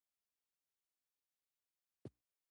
سفیر ته یې ویلي و چې له عقل او منطق څخه کار واخلي.